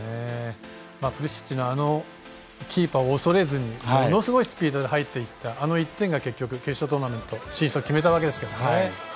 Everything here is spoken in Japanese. プリシッチのあのキーパーを恐れずにものすごいスピードで入っていったあの１点が決勝トーナメント進出を決めたわけですね。